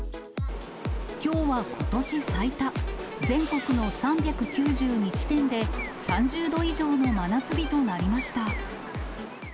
きょうはことし最多、全国の３９２地点で、３０度以上の真夏日となりました。